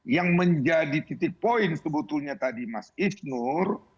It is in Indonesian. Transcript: yang menjadi titik poin sebetulnya tadi mas isnur